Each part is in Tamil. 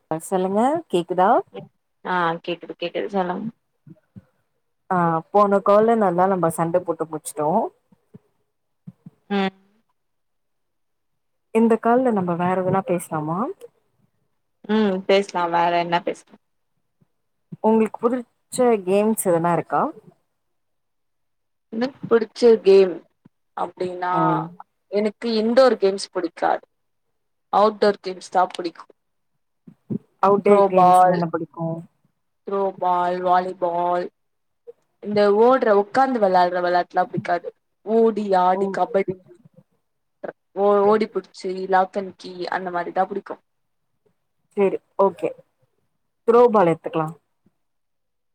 ப்ப சொல்லுங்க கேக்குதா ஆ கேக்குது கேக்குது சொல்லுங்க ஆ போன கால்ல நல்லா நம்ம சண்ட போட்டு முடிச்சுட்டோ உம் இந்த கால்ல நம்ம வேற எதனா பேசலாமா உம் பேசலா வேற என்ன பேசலா உங்களுக்கு புடிச்ச கேம்ஸ் எதனா இருக்கா எனக்கு பிடிச்ச கேம் அப்டின்னா ம் எனக்கு இன்டோர் கேம்ஸ் புடிக்காது அவுடோர் கேம்ஸ் தா புடிக்கு அவுடேர் கேம்ஸ்ல என்ன புடிக்கு த்ரோபால் வாலிபால் இந்த ஓடற உக்காந்து வெளாட் வெளாட்டுலா புடிக்காது ஓடி ஆடி ம் கபடி ஓ ஓடி புடிச்சி இல்லா கன்கி அந்த மாரி தா புடிக்கு சேரி ஓக்கே த்ரோபால் எத்துக்கலா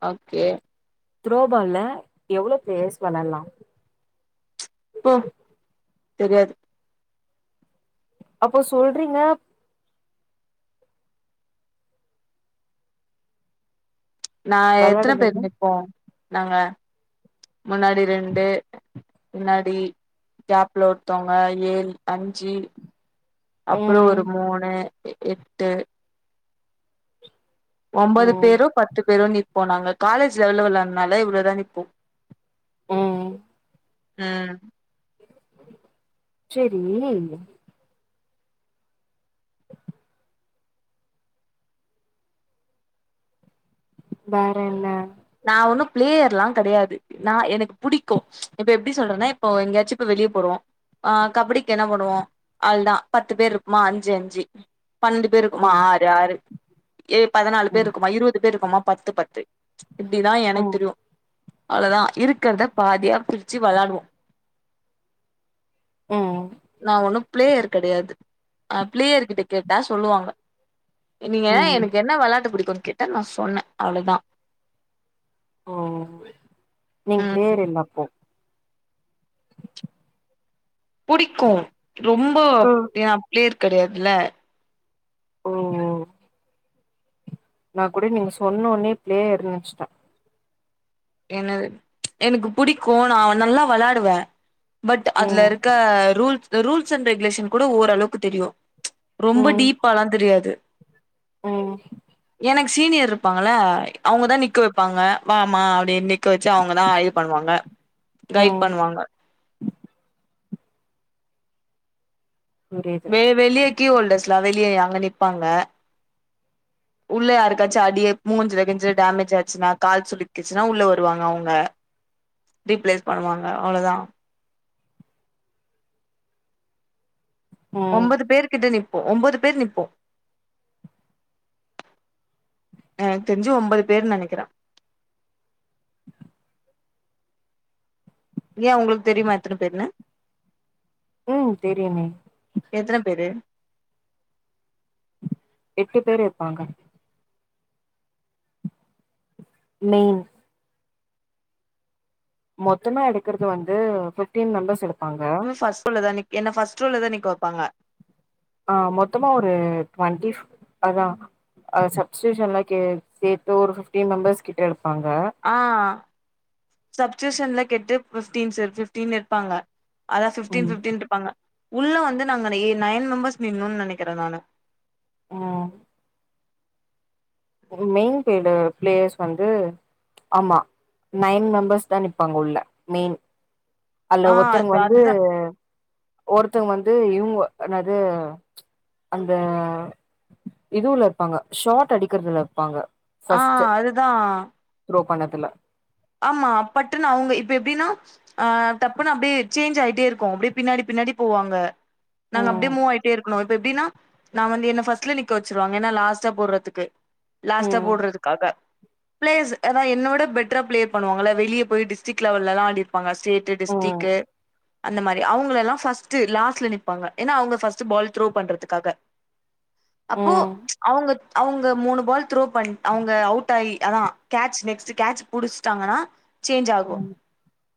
ஓக்கே துரோபால்ல எவ்ளோ பிளேயர்ஸ் வெளையாடலா போ தெரியாது அப்போ சொல்றீங்கப் நா எத்தன பேரு வெளாடுவாங்க நிப்போ நாங்க முன்னாடி ரெண்டு முன்னாடி கேப்ல ஒருத்தோங்க ஏழு அஞ்சு அப்புறோ ம் ஒரு மூணு எட்டு ஒம்போது ம் பேரோ பத்து பேரோ நிப் போ நாங்க காலேஜ் லெவல்ல வெளாட்னாலே இவ்ளோ தா நிப்போ ம் ம் சேரி [inaudible] வேர என்ன நா ஒண்ணு பிளேயர் எல்லா கெடையாது நா எனக்கு புடிக்கு இப்ப எப்பிடி சொல்றதுன்னா இப்போ எங்கயாச்சு இப்போ வெளியே போறோ ஆ கபடிக்கு என்ன பண்ணுவோ அவ்ளதா பத்து பேர் இருக்குமா அஞ்சு அஞ்சு பன்னெண்டு பேரு இருக்குமா ம் ஆரு ஆரு ஏ பதினாலு பேர் ம் இருக்குமா இருபது பேர் இருக்குமா பத்து பத்து இப்டிதா எனக்கு ம் தெரியு அவ்ளதா இருக்கிறத பாதியா பிரிச்சு வெளாடுவோ ம் நா ஒண்ணு பிளேயர் கெடையாது அ பிளேயர் கிட்ட கேட்டா சொல்லுவாங்க நீங்க ம் எனக்கு என்ன வெளாட்டு பிடிக்குன் கேட்டா நா சொன்ன அவ்ளோதா ஓ நீங்க ம் பிளேயர் இல்ல அப்போ புடிக்கு ரொம்ப ம் அப்டிய பிளேயர் கெடையாதில்ல ஓ நா கூட நீங்க சொன்ன ஒன்னயே பிளேயர்ன் நெனைச்சுட்டே என்னது எனக்கு புடிக்கு நா நல்லா விளாடுவே பட் ம் அதுல இருக்க ரூல்ஸ் ரூல்ஸ் அண்ட் ரெகுலேஷன் கூட ஓரளவுக்கு தெரியும் ரொம்ப டீப் அளாம் தெரியாது உம் எனக்கு சீனியர் இருப்பாங்கள அவங்க தா நிக்க வைப்பாங்க வாமா நி நிக்க வச்சு அவங்கதா ஆய்வு பண்ணுவாங்க கைட் ம் பண்ணுவாங்க புரியுது வே வெலிய கீ ஹோல்டர்ஸ்லா வெளியே அங்க நிப்பாங்க உள்ள யாருக்காச்சு அடியே மூஞ்சு கீஞ்சு டேமேஜ் ஆச்சுன்னா கால் சுலுக்கிச்சுன்னா உள்ள வருவாங்க அவங்க ரீப்ளேஸ் பண்ணுவாங்க அவ்ளோதா ம் ஒன்பது பேர் கிட்ட நிப் போ ஒன்பது பேர் நிப்போ எனக்கு தெரிஞ்சு ஒன்பது பேரு நினைக்கிற ஏ உங்களுக்கு தெரியுமா எத்தன பேருனு உம் தெரியுமே எத்தன பேரு எட்டு பேர் இருப்பாங்க மெயின் மொத்தமா எடுக்கறது வந்து பிஃப்டீன் மெம்பர்ஸ் எடுப் ம் ஃபஸ்ட் ரோல தானே என்ன ஃபஸ்ட் ரோல தா நிக்க வைப்பாங்க. ஆ மொத்தமா ஒரு டெவண்டிப் அதா சப்டியூசன் கே சேர்த்து ஒரு ஃபிப்டின் மெம்பர்ஸ் கிட்ட இரு ஆ சப்ஸ்டியூஷன்ல கேட்டு பிப்டீன் சார் பிப்டீன் இருப்பாங்க. அதா பிப்டீன் ம் பிப்டீன்ட்டு இருபாங்க. உள்ள வந்து நாங்க ஏ நைன் மெம்பர்ஸ் நின்னோம்னு நெனக்கிறே நானு. உம். மெயின் பேடு பிளேயர்ஸ் வந்து ஆமா நைன் மெம்பர்ஸ்தா நிப்பாங்க உள்ள மெயின். அல்ல ஆ ஒருத்தருங்க அது வந்து அதுதா ஒருத்தங்க வந்து. து இவுங்க ஆனா அது அந்த இது உள்ள இருப்பாங்க ஷார்ட் அடிக். இருக்குறதுல இருப்பாங்க. ஆ அதுதா. பணத்துல. ஆமா பட்டுனா அவுங்க இப்ப எப்டின்னா அ தப்புன்னு அப்டியே சேஞ்ச் ஆயிட்டே இருக்கு அப்டியே பின்னாடி பின்னாடி போவாங்க. நாங்க ம் அப்டியே மூவ்வாயிட்டே இருக்கணும் இப்ப எப்டின்னா. நா வந்து என்ன ஃபஸ்ட்டுல நிக்க வச்சுருவாங்க ஏன்னா லாஸ்டா போடுறதுக்கு லாஸ்டா ம் போடுறதுக்காக. ஃபிலேஸ் அதா என்னவுட பெட். பெட்டரா பிளே பண்ணுவாங்கள வெளிய போய் டிஸ்டிக் லெவல்லெலா அடிப்பாங்க. ஸ்டேட்டு ம் டிஸ்டிக்கு. அந்த மாரி அவுங்களெல்லா ஃபர்ஸ்ட்டு லாஸ்ட்டுல நிப்பாங்க ஏன்னா அவுங்க ஃபஸ்ட்டு பால் த்ரோ பண்றதுக்காக. அப்போ ம் அவுங்க. அவுங்க மூணு பால் த்ரோ பண் அவுங்க அவுட் ஆயி அதா ஃகேச் நெக்ஸ்ட்டு ஃகேச். புடிச்சுட்டாங்கன்னா. சேஞ்சு ஆகு ம்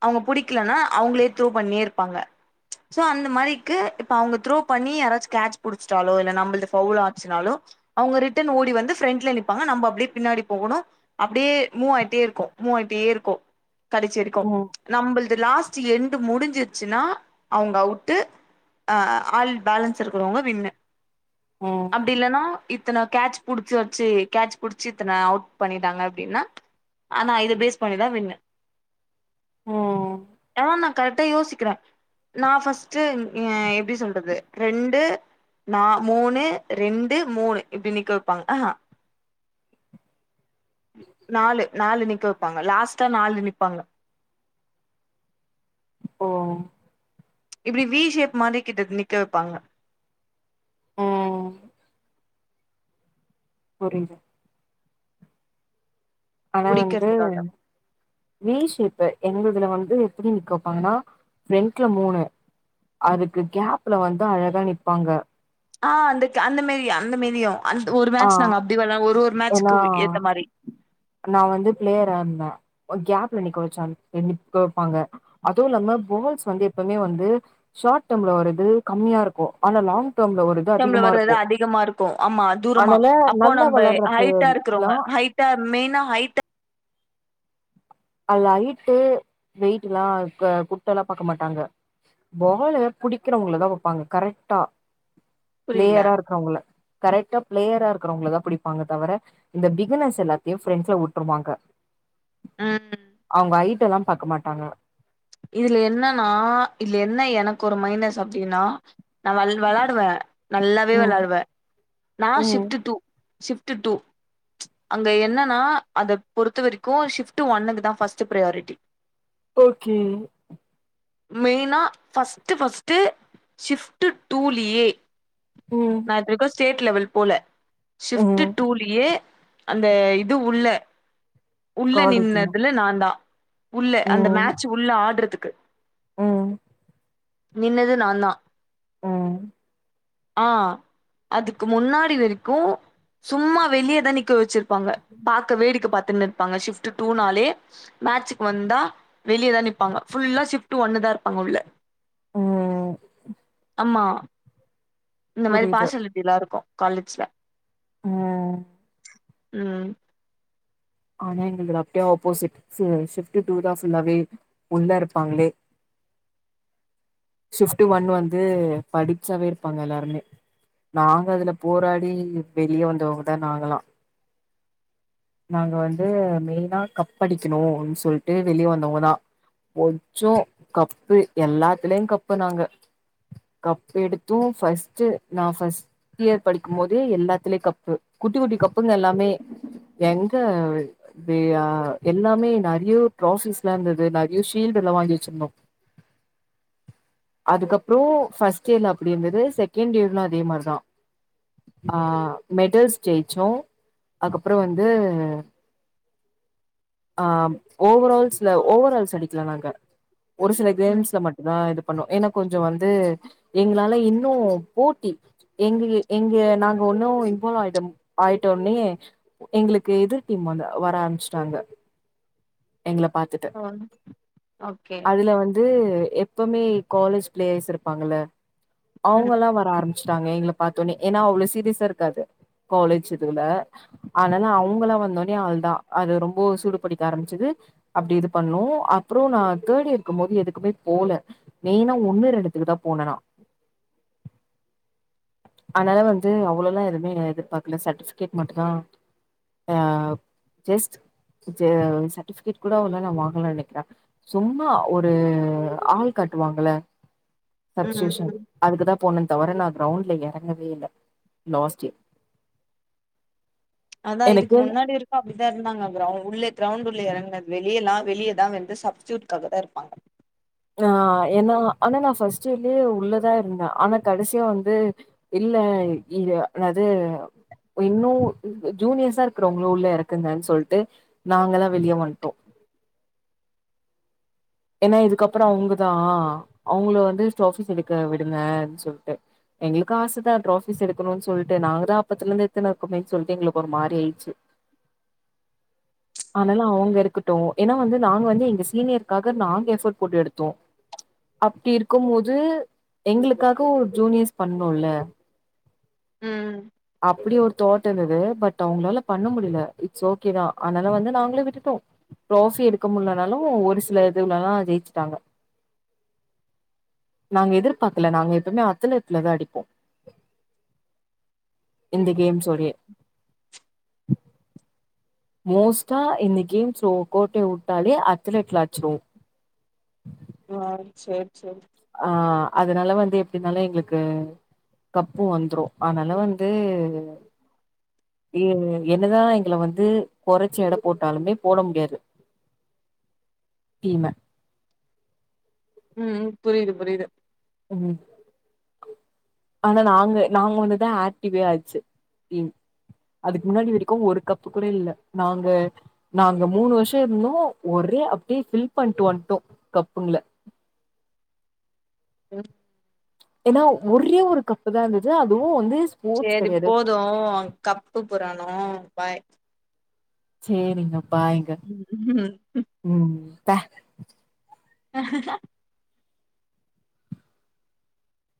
அவுங்க புடிக்கலனா அவுங்களே த்ரோ பண்ணியே இருப்பாங்க. சோ அந்த மாரிக்கு இப்போ அவுங்க த்ரோ பண்ணி யாராச்சும் கேட்ச் புடிச்சிட்டாலோ இல்ல நம்பமள்து ஃபவுல் ஆச்சுனாலோ அவுங்க ரிட்டன் ஓடி வந்து ஃப்ரெண்டுல நிப்பாங்க நம்ம அப்டியே பின்னாடி போகணு அப்டியே மூவ் ஆகிட்டே இருக்கு மூவாயிட்டே இருக்கு கடைசிவரைக்கு ம் நம்பள். லாஸ்ட் எண்டு முடிஞ்சுருச்சுன்னா அவுங்க அவுட்டு. அ ஆல் பேலன்ஸ் இருக்குறவுங்க வின்னு ம் அப்டி இல்லனா இத்தன கேட்ச். புடிச்சு வச்சு கேட்ச் புடிச்சு இத்தன அவுட் பண்ணிட்டாங்க அப்டின்னா. ஆனா இத ஃபேஸ் பண்ணிதா வின்னு. உம். ஆனா நா கரெக்டா யோசிக்கிறே. நா ஃபஸ்ட்டு எங்க எப்டி சொல்றது ரெண்டு நா மூணு ரெண்டு மூணு இப்டி நிக்க வப்பாங்க ஹா ஹா நாலு. நாலு நிக்க வப்பாங்க லாஸ்ட்டா நாலு நிப்பாங்க. ஓ. வ் இப்டி விஷேப் மாதிரி கிட்ட நிக்க வெப்பாங்க. ம் புரியுது. ஆனா வந்து. புடிக்கிறதுக்காக வீ ஷேப்பு எங்க இதுல வந்து எப்புடி நிக்க வப்பாங்கன்னா ஃபிரெண்ட்டுல மூணு அதுக்கு கேப்ல வந்து அழகா நிப்பாங்க. ஆ அந்த ஃகே அந்த மாரி அந்த மெரியு ஆஹ் ஏன்னா ஏத்த மாரி நான் வந்து பிளேயரா இருந்தே கேப் வ வைப்பாங்க அவும் இல்லாம பால்ஸ் வந்து எப்பவுமே வந்து வருது கம்மியா இருக்கும் ஆன லாங் டேர்ம்ல ஒரு இது செம்பள அதிகமா வர்துத இருக்கு அதிகமா இருக்கும் ஆமா தூரமா அதனால அப்போ நல்லா நம்ம வளர்ற ஹைட்டா பிளேயர்லா இருக்கிறோங்க ஹைட்டா மெயினா ஹைட அது ஆயிட்டு வெயிட் எல்லா குட்ட எல்லா பாக்க மாட்டாங்க பால புடிக்கிறவங்களதா வெப்பாங்க கரெக்டா புரில பிளேயரா இருக்கறவங்கள கரெக்டா பிளேயரா இருக்க இருக்கரவங்களதா பிடிப்பாங்க தவிர இந்த பேகனிர்ஸ் எல்லாத்தையும் பிரெண்ட்ஸ்ல விட்டுருவாங்க ம் அவங்க ஐட்டு எல்லாம் பாக்க மாட்டாங்க இதுல என்னன்னா அப்படின்னா நான் விளாடுவேன் நல்லாவே ம் விளாடுவேன் நான் ம் shift to shift shift two அங்க என்னன்னா அத பொறத்த வெரைக்கும் ஷிஃப்ட்டு ஒன்னுக்கு தா ஃபர்ஸ்ட் பியாரிட்டி ஓகே மெய்னா ஃபர்ஸ்ட் ஃபர்ஸ்ட்டு ஷிஃப்ட்டு டூலியே ம் நா [unintelligible] ஸ்டேட் லெவல் போல ஷிஃப்டு ம் டூலியே அந்த இது உள்ள உள்ள காலேஜ்ல நின்னதுல நான் தான் உள்ள அந்த மேட்ச் உள்ள ஆள் பண்றதுக்கு உஹம் நின்னது நான் தா உஹம் ஆஹ் அதுக்கு முன்னாடி வரைக்கும் சும்மா வெளியேதான் புக்கு வச்சிருப்பாங்க பார்க்க வேடிக்கை பார்த்து இருப்பாங்க ஷிபிட் டூ நாலே மேட்சுக்கு வந்தா வெளியேதான் நீப் ஆமா ஷிஃப்ட்டு ஒன் தா இருப்பா உள்ள உஹம் ஆமா இந்த மாரி பார்சாலிட்டி எல்லாம் இருக்கும் காலேஜ்ல உஹம் உம் ஆனா எங்க அப்படியே ஆப்போசிட் ஷிபிட் டூ தான் ஃபுல்லாவே உள்ள இருப்பாங்களே ஷிபிட் ஒன் வந்து படிச்சாவே இருப்பாங்க எல்லாருமே நாங்க அதுல போராடி வெளியே வந்தவங்க தான் நாங்கலாம் நாங்க வந்து மெயினா கப் அடிக்கணு அப்டின் சொல்ட்டு வெளியே வந்தவங்க தா கொஞ்சோ கப்பு எல்லாத்துலையு கப்பு நாங்க கப் எடுத்தும் ஃபஸ்ட் நா ஃபஸ்ட் இயர் படிக்கும் போது எல்லாத்துலேயும் கப்பு குட்டி குட்டி கப்புங்க எல்லாமே எங் த வே ஆ எல்லாமே நெறைய ட்ராபிஸ் எல்லா இருந்தது நெறைய ஷீல்டு எல்லா வாங்கி வெச்சிருந்தோ அதுக்கப்புறம் ஃபர்ஸ்ட் இயர்ல அப்படி இருந்தது செகண்ட் இயர்லும் அதே மாதிரிதான் ஆஹ் மெடல்ஸ் ஜெயிச்சோம் அதுக்கப்புறம் வந்து அ ஆ ஓவரால்ஸ்ல ஓவ ஆல்ஸ் அடிக்கல நாங்க ஒரு சில ம் கேம்ஸ்ல மட்டுதா இது பண்ணுவோ ஏன்னா கொஞ்சோ வந்து எங்களால இன்னு போட்டி எங்க எங்க நாங்க ஒன்னு இன்வால்வ் ஆயிடங் ஆயிட்டோனையே எங்களுக்கு எதிர் டீம் வந்து வர ஆரம்மிச்சுட்டாங்க எங்கள பாத்துட்டு ஓ ஓகே அதுல வந்து எப்பவுமே காலேஜ் பிளேயரஸ் இருப்பாங்கள ம் அவுங்கலா வர ஆரம் ச்சாங்க எங்க பார்த்தோனே ஏன்னா அவ்ளவு சீரியஸா இருக்காது காலேஜ் இதுல ஆனா அவுங்களா வந்தோனே அவ்ளதான் அது ரொம்ப சூடு புடிக்க ஆரம்பிச்சுது அப்படி இது பண்ணும் அப்புறம் நா தேர்ட் இயர் இருக்கும் போது எதுக்குமே போல மெயினா ஒன்னு ரெண்டுக்குதா போனேனா அனால வந்து அவ்ளலா எதுவுமே நா எதிர்ப்பாக்கல சர்ட்டிஃபிகேட் மட்டும்தா ஆ ஜஸ்ட் சர்டிஃபிகேட் கூட அவளோ நா வாங்கல நெனைக்கிறேன் சும்மா ஒரு ஆள் காட்டு வாங்கல சப்ஸ்டியுஷன் ம் அதுக்குதா போனே தவர நான் கிரௌண்ட்ல இறங்கவே இல்ல லாஸ்ட் இயர் அதா இதுக்கு எனக்கே முன்னாடி வரைக்கோ அப்படிதா இருந்தாங்க க்ரௌண்டுல்ல இறங்கனது வெளியெல்லா வெளியதா வந்து சப்ஸ்டியூட்காகதா இருப்பாங்க ஆ ஏனா ஆனா நான் ஃபர்ஸ்ட் இயர்லயே உள்ளதா இருந்த ஆனா கடைசியா வந்து இல்ல இத இன்னாது இன்னோ ஜூனியர்ஸா இருக்றவங்கள உள்ள இறக்குங்கனு சொல்ட்டு நாங்கலா வெளிய வன்டோம் ஏன்னா இதுக்கப்புறோ அவுங்கதா அவுங்கள வந்து ட்ராஃபிஸ் எடுக்க விடுங்கனு சொல்ட்டு எங்குளுக்கு ஆசதா ட்ராஃபிஸ் எடுக்கணோனு சொல்ட்டு நாங்கதா அப்பத்துலந்து எத்துனு இருக்குமேன்னு சொல்ட்டு எங்குளுக்கு ஒரு மாரி ஆயிச்சு ஆனாலோ அவுங்க இருக்கட்டோ ஏன்னா வந்து நாங்க வந்து எங்க சீனியர் காக நாங்க எஃபர்ட போட்டு எடுத்தோம் அப்டி இருக்கும் போது எங்குளுக்காக ஒ ஜூனியர்ஸ் பண்லோல ம் அப்படி ஒரு தாட் இருந்தது பட் அவுங்களால பண்ண முடியுல இட்ஸ் ஓகே தா அனால வந்து நாங்களே விட்டுட்டோ ட்ராஃபி எடுக்க முடியலனாலோ ஒரு சில இதுலல்லா ஜெயிச்சுட்டாங்க நாங்க எதிர்பாக்கல நாங்க எப்பவுமே அத்தலத்துலதா அடிப்போ இந்த கேம்ஸோடயே மோஸ்ட்டா இந்த கேம்ஸ் ஒ கோட்டைய வுட்டாலே அத்லெட்ல அச்சிருவோ ஆ செரி சேரி ஆ அதனால வந்து எப்டினாலோ எங்குளுக்கு கப்பும் வந்துரோ அதனால வந்து என்னதா எங்கள வந்து கொறைச்சு எட போட்டாலுமே போட முடியாது டீம ம் ம் புரியுது புரியுது ம் ஆனா நாங்க நாங்க வந்துதா ஆக்டிவே ஆச்சு டீம் அதுக்கு முன்னாடி வரைக்கோ ஒரு கப்பு கூட இல்ல நாங்க நாங்க மூணு வருஷோ இருந்தோ ஒரே அப்டியே ஃபில் பண்ட்டு வன்டோ கப்புங்கல [unintelligible] ஏன்னா ஒரே ஒரு கப்பு தா இருந்தது அதுவோ வந்து ஸ்போர்ட்ஸ் சரி கெடையாது போதும் கப்பு புராணோ பாய் சேரிங்க பாய்ங்க ம் ம் பே ஆஹ ஹ